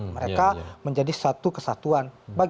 mereka menjadi satu kesatuan